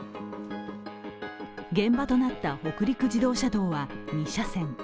現場となった北陸自動車道は２車線。